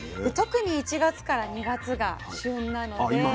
特に１月から２月が旬なので。